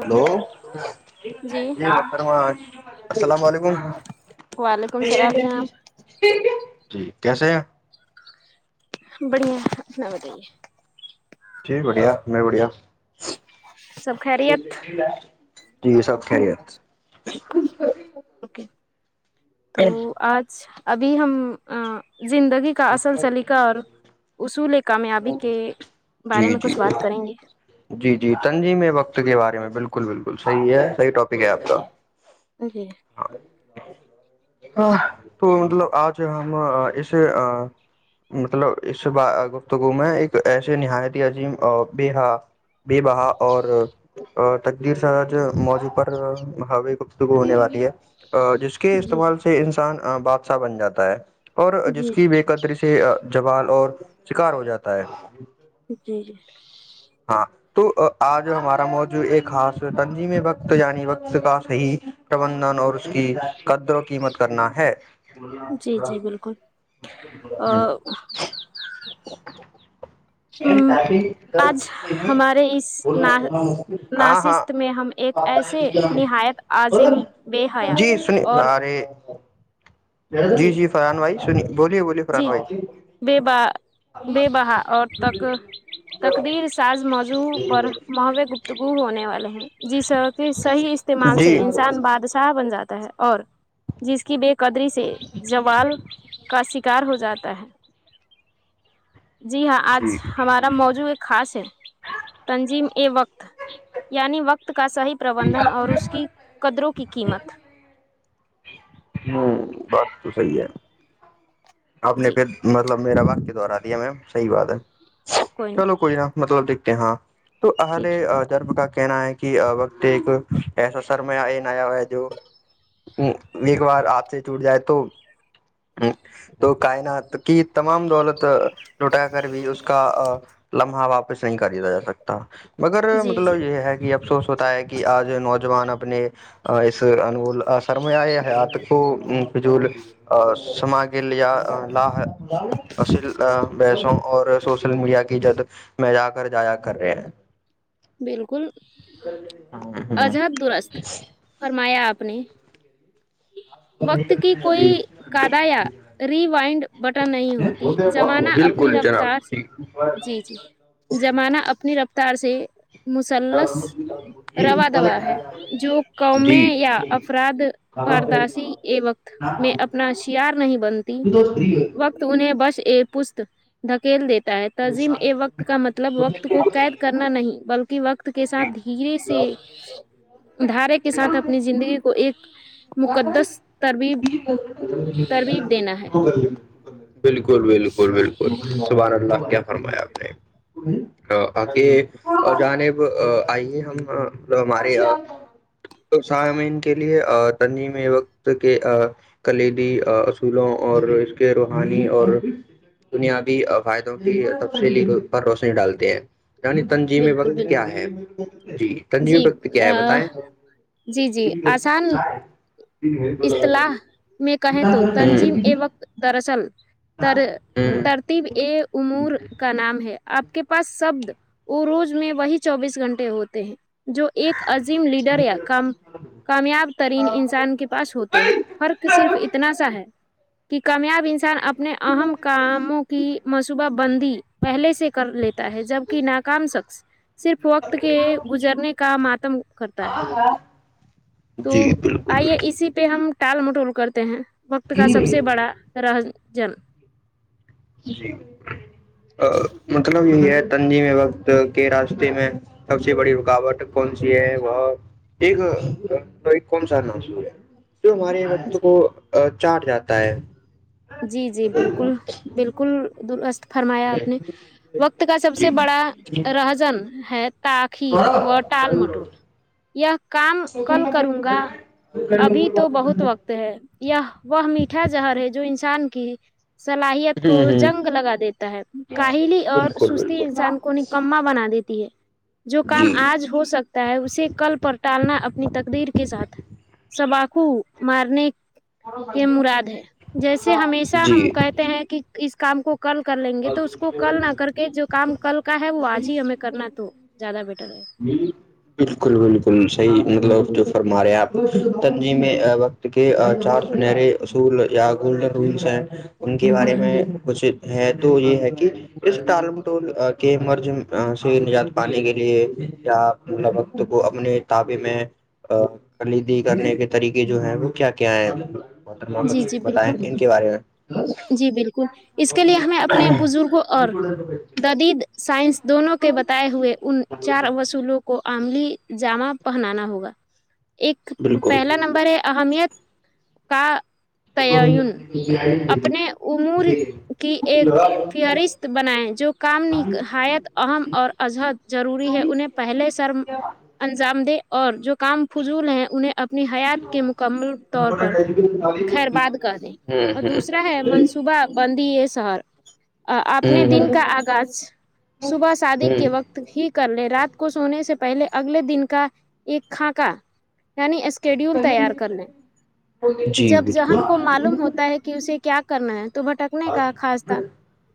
hello جی السلام علیکم وعلیکم السلام جناب جی کیسے ہیں بڑیا اپنا بتائی ہے جییک بڑیا میں بڑیا سب خیریت جی یہ سب خیریت اوکے تو آج ابھی ہم زندگی کا اصل سلیقہ اور اصول کامیابی کے بارے جی میں جی کچھ بات کریں گے جی جی تنجی میں وقت کے بارے میں بالکل بالکل صحیح ہے سح ٹاپ پھ کیا آپ تو جی جی ہاں تو مطلب آج ہم اس مطلب اس گفتگو میں ایک ایسے نہایت عظیم با بے بہا اور تقدیر س موضوع پر ہووے گفتگو ہونے والے جے جس کے جی استعمال سے انسان ہ بادشاہ بن جاتا ہے اور جس جی جی کی بے قدری سے جوال اور شکار ہو جاتا ہے جی جی ہاں تو آج ہمارا موضوع ایک خاص تنظیم وقت یعنی وقت کا صحیح پربندھن اور اس کی قدر و قیمت کرنا ہے جی جی بالکل ا کافی ہمارے اس ہاں ہاں ناصست میں ہم ایک ایسے نہایت عظم بے حیا جی سنی اور [unintelligible] جی جی فرحان بھائی شنی جی بے بے بہا اور تقدیر سار موضوع پر محوع گفتگو ہونے والے ہیں جی سر کہ صحیح استعمال سے جی انسان بادشاہ بن جاتا ہے اور جس کی بیک قدری سے زوال کا سک کار ہو جاتا ہے جی ہاں آج ہمارا موضوع ایک خاص ہے تنظیم یہ وقت یعنی وقت کا صحیح پربندھن اور اس کی قدروں کی قیمت ہوں بس تو سحی ہے اپنے جی پھر مطلب میرا ب کے دوارا دیا میںم صحی بات ہے چلو کوئی نہ مطلب دیکھ کہ ہاں تو ٹھیک ا جر کہنا ہے کہ وقت ایک ایسا سرما آیا ہو ہے جو ایک بر ہاتھ سے وٹ جائ ہاں تو کائنات کہ تمام دولت لٹا کر بھی اس کا لمحہ واپس نہیں کردا جا سکتا مگر ہے جی جی مطلب یہ ہے کہ افسوس ہوتا ہے کہ آج نوجوان اب اپنے اس انول سرماۓ حیات کو رجول سماگل یا لاصل بحسوں اور سوشل میڈیا کی جد میں جا کر جایا کر رہے ہیں بالکل عجہب درست فرمایا آپ اپنے وقت کی کوئی کادا یا ری وائنڈ بٹن نہیں ہوتی زمانہ اپنی بالکل جناب رفتار سے جی جی جی جمانہ اپنی رفت تر سے مسلث رواادا ہے جو جی قومیں یا افراد بارداشی ا وقت میں اپنا شیار نہیں بنتی وقت انہیں بس یہ پست دھکیل دیتے تظیم ا وقت کا مطلب وقت کو قید کرنا نہیں بلکہ وقت کے ساتھ دھیرے سے دارے کے ساتھ اپنی زندگی کو ایک ہ [inaudible] بکل تربیب دینا ہے بالکل بالکل بالکل صبح اللہ کیا فرمایا گے اور جانب آئیے ہم ہمارے یہاں تو س کے لیے تنجیم وقت کے کلیدی اصولوں اور اس کے روحانی اور بنیابی فائدوں کی تفصیلی پر روشنی ڈالتے ہیں انی تنظیم بالکل وقت کیا بالکل ہے جی تنج جی بت کیا آ، ہے بتیں جی جی آسان اصطلاح میں کہیں تو تنظیم ہ اے وقت درصل ہ ترتیب اے امور کا نام ہے آپ کے پاس شبد ا روز میں وہی چوبیس گھنٹے ہوتے ہیں جو ایک عظیم لیڈر یا کام کامیاب ترین انسان کے پاس ہوتے ہیں فرق صرف اتنا سا ہے کہ کامیاب انسان اپب اپنے اہم کاموں کی منصوبہ بندی پہلے سے کر لیتا ہے جبک ناکام شخص صرف وقت کے گزرنے کا ماتم کرتا ہے تو جی بالکل آئیے بالکل اسی پہ ہم ٹال مٹول کرتے ہیں وقت کا سب سے بڑا رہ جل جی مطلب یہ ہے تنظیم وقت کے راستے میں سب سے بڑی رکاوٹ کون سی ہے وہ ایک کون سا نوصول ہے جو ہمارے مرد کو چاٹ جاتا ہے جی جی بالکل بالکل دست فرمایا آپ نے وقت کا سب جی سے بڑا رہزن ہے کاخیر و ال مٹول [inaudible] کام کل کروں گا ابھی تو بہت وقت ہے وہ میھا جہر ہے جو ان چان کی صلاحیت ہ کو ہ جنگ لگا دیتا ہے کاہلی اور بالکل سستی بالکل انسان کو نکما بنا دیتا ت ہے جو کام جی آج ہو سکتا ہے اسے کل پر ٹالنا اپنی تقدر کے ساتھ چباخو مارنے کے مراد ہے جیسے سے ہمیشہ ہم جی کہتے ہیں کہ اس کام کو کل کر لیں گے تو اس کو کل نہ کر کے جو کام کل کا ہے وہ آج ہی ہمیں کرنا تو زیادہ بیٹر ج بالکل بالکل صحی مطلب جو فرماریا تنظیم وقت کے چار سنہرے اصول یا گولڈ رولس ہیں ان کے ہے بارے جی میں کچھ ہے تو یہ ہے کہ اس ٹالمٹول کے مرض سے نجات پانے کے لیے کیا م وقت کو اپنے تعبے میں کلیدی کرنے کے طریقے جو ہیں وہ کیا کیا ہے جی جی بالکل جی بالکل اس کے لیے ہمیں اپنے بزرگوں اور ددید سائنس دونوں کے بتائے ہوئے ان چار ولوں کو آملی ج پ جاما پہنانا ہوگا ایک بالکل پہلا نمبر ہے اہمیت کا [unintelligible] تین اپنے امور کی ایک ہوں فہرست بنائیں جو کامایت اہم اور اجہد ضروری ہے انہیں پہلے سر انجام دے اور جو کام فضول ہیں انہیں اپنی حیات کے مکمل طور پر خیر باد کر دیں اور ہ دوسرا ہے منصوبہ تندیے سار [unintelligible] اپنے ہ دن کا آغاز صبح ہ شادی کے ہ وقت ہی کر لے رات کو سونے سے پہلے اگلے دن کا ایک خاناکا یعنی اسکیڈیول تیار کرنے جی جب بالکل جہن کو معلوم ہوتا ہے کہ اس اسے کیا کرنا ہے تو بھٹکنے کا خاصہ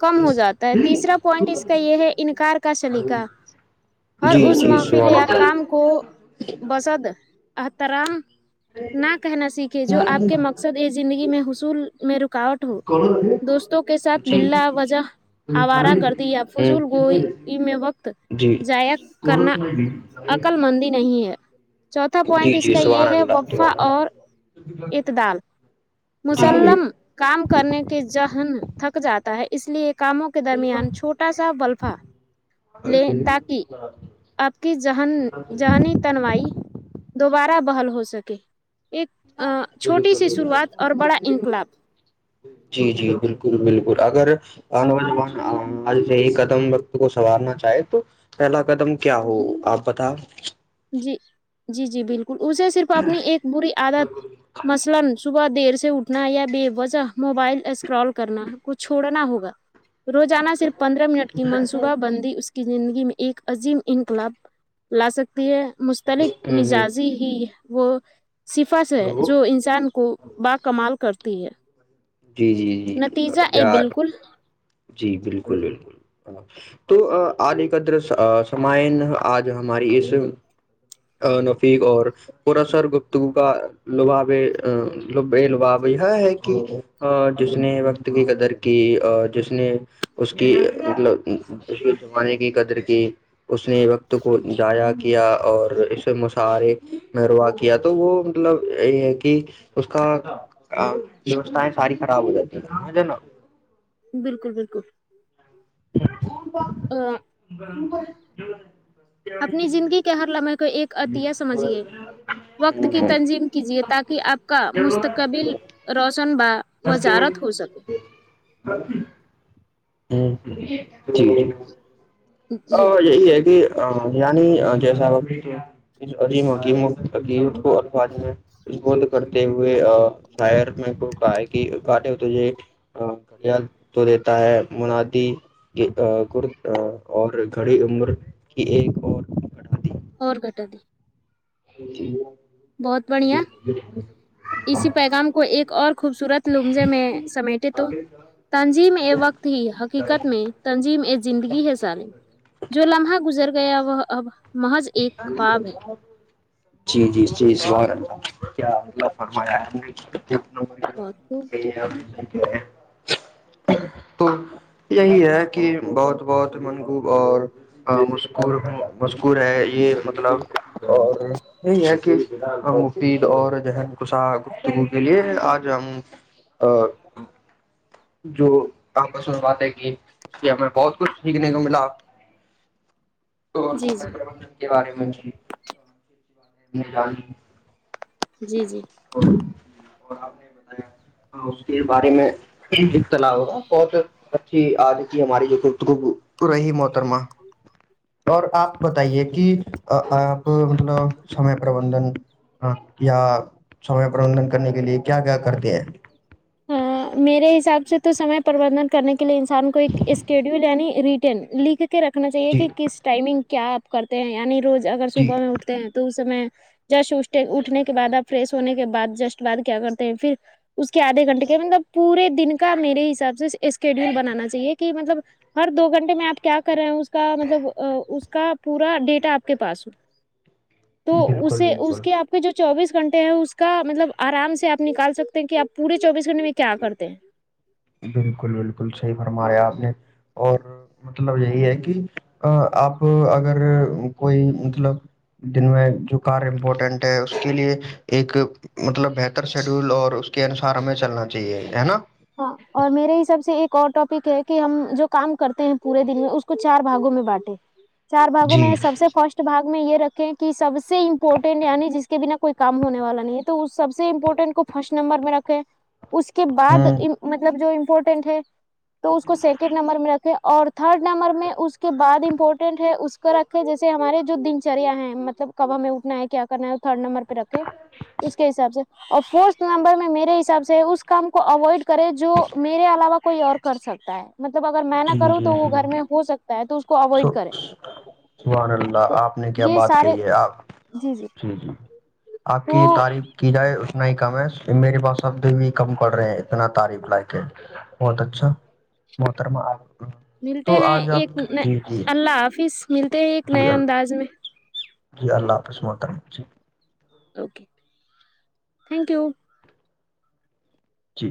کم ہو جاتا ہے تیسرا پوائنٹ اس کا یہ ہے انکار کا سلیقہ ہر جی اس جی محفل سوال یا جی کام کو بسد اترحم [unintelligible] نہ کہنا سیکھے جو آپ کے مقصد یہ زندگی میں حصول میں رکاوٹ ہو دوستوں کے ساتھ بلا وجہ آوارہ گردیا ہ فضول گوئی میں وقت جی جاائیا کرنا عقل مندی نہیں ہے چوتھا جی پوائنٹ اس جی کا یہ سبحان ہے اللہ وقفا سبحان اللہ اور اتدال مسلم کام کرنے کے ذہن تھک جاتا ہے اس لیے ایک کاموں کے درمیان چھوٹا سا بلفا لے تاکہ آپ کی ہنی تنوائی دوبارہ بحل ہو ہو سکے ایک [unintelligible] چھوٹی بالکل سی شروعات اور بڑا انقلاب جی جی بالکل بالکل اگر نوجان آج یہی قدم وقت کو سنوارنا چاہے تو پہلا قدم کیا ہو آپ بتا جی جی جی بالکل [unintelligible] اٹھنا یا بے وجہ موبائل اسکرال کرنا کو چھوڑنا ہوگا روزانہ صرف پندرہ منٹ کی منصوبہ بندی اس کی زندگی میں ایک عظیم انقلاب لا سکتے پ [unintelligible] مستلق ہ مزاجی ہی وہ [unintelligible] صفاس ہے جو انسان کو ب کمال کرتا تین جی جی جی یار جی بالکل بالکل تو علی قدر سمائن آج ہماری اس نفیق اور قسر گفتگو کا لبابے لباب یہ ہے کہ جس نے وقت کی قدر کی اور جس نے اس کی مطلب اس کے زمانے کی قدر کی اس نے وقت کو جضایا کیا اور اس سے مشارے محرا کیا تو وہ مطلب یہ ہے کہ اس کا ساری خراب ہو جاتی ہے سمھ نا بالکل بالکل اپنی زندگی کے ہر لمحے کو ایک عطیہ سمجھیے وقت کی نا تنظیم کیجیے تاکہ آپ کا مستقبل روشن ب ہستے ب [unintelligible] ہوں اچی ا جی یہی ہے کہ [unintelligible] یعنی جیسا عظیم کو الاظ کرتے ہوئےر کہ کہٹ تھ تو دیتا ہے منادی اور گھڑی عمر کی ایک اور اور کٹا دی ج ج [unintelligible] بہت بڑھیا اسی پیغام کو ایک اور خوبصورت لمزے میں سمیٹے تو تنظیم ا وقت ہی حقیقت میں تنظیم اے زندگی ہے ثالم جو لمحہ گزر گیا وہ اب محض ایک خواب ہے جی جی جیز کیا مطلب فرمایا نے جکھ ن وہ گ بہت خوب گ [unintelligible] تو یہی ہے کہ بہت بہت منبوب اور ہاں مسکور م یہ مطلب اور یہی ہے کہ ہم مفید اور ہ کس گتگو کے لیے آج ہم جو کام پر سن بات ہے کہ ہمیں بہت کچھ سیکھنے کو ملا تو جی جی سبن کے بارے میں جی [unintelligible] ج [unintelligible] جی جی اور آپ نے بتایا اس کے بارے میں اختلا ہوگا بہت اچھی آاد کی ہماری جو گفتگب رہی محترمہ اور آپ بتائیے کہ آپ مطلب سمے پربندھن ہاں یا سمے پربندندن کرنے کے لیے کیا کیا کرتے ہیں ہاں میرے حساب سے تو سمے پربندھن کرنے کے لیے انسان کو ایک اسکیڈیول یعنی ریٹن لکھ رکھنا چاہیے جی کہ کس ٹائمنگ کیا آپ کرتے ہیں یعنی روز اگر جی صبح میں اٹتے ہیں تو اس س میں جش اٹھ اٹھنے کے بع اپ فریش ہونے کے بعد جسٹ بعد کیا کرتے ہیں پھر اس آدھے گھٹے کے مطب پورے دن کا میرے حساب سے اسکیڈیول بنانا چاہے کہ مطلب ہر دو گھنٹے میں آپ کیا کر رہے اس کا مطلب اس کا پورا ڈیٹا آپ کے پاس ہو تو بالکل اسے اس بالکل کے آپ کے جو چوبیس گھنٹے ہیں اس کا مطلب آرام سے آپ نکال سکتے ہیں کہ آپ پوری چوبس نے میں کیا کرتے ہیں بالکل بالکل صحیح فرمایا آپ نے اور مطلب یہی ہے کہ آپ اگر کوئی مطلب دن میں جو کار امپورٹینٹ ہے اس کے لیے ایک مطلب بہتر شیڈیول اور اس کے انسار ہمیں چلنا چاہیے ہے نا ہاں اور میرے حساب سے ایک اور ٹاپک ہے کہ ہم جو کام کرتے ہیں پورے دن میں اس کو چار باگوں میں بانٹے چار باگوں جی میں سب سے فرسٹ باگ میں یہ رکھیں کہ سب سے امپورٹینٹ یعنی جس کے بنا کوئی کام ہونے والا نہیں ہے تو اس سب سے امپورٹینٹ کو فرسٹ نمبر میں رکھیں اس کے ہ بعد مطلب جو امپورٹینٹ ہے تو اس کو سیکنڈ نمبر میں رکھتا اور تھرڈ نمبر میں اس کے بد امپورٹینٹ ہے اس کو رکھے جیسے ہمارے جو دن چریا ہے مطلب کب ہمیں اٹھنا ہے کیا کرنا ہے وہ تھرڈ نمبر پہ رکھے اس کے حساب سے اور فورتھ نمبر میں میرے حساب سے اس کام کو اوائڈ کرے جو میرے علاوہ کوئی اور کر سکتا ہے مطلب اگر میں نہ کروں تو وہ گھر میں ہو سکتا ہے تو کو اوائڈ کرے وحدلہ تو آپ نے کیا یہ بات سارے کہی ہے آپ جی جی آپ تو کی تعریف کی جائے نا ہی کم ہے میرے پاس اب بھی بھی کم کرڑ رہے ہیں اتنا تعریف لا کے بہت اچھا محتر ملتے ہیں ایک نہیں اللہ حافظ ملتے ہیں ایک جی نئے ال- انداز میں جی اللہ آاپس م کررم جی اوکے تھینک یو جی